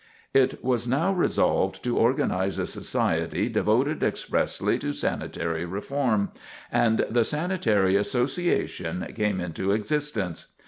It was now resolved to organize a society devoted expressly to sanitary reform, and the "Sanitary Association" came into existence.